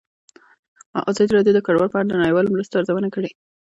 ازادي راډیو د کډوال په اړه د نړیوالو مرستو ارزونه کړې.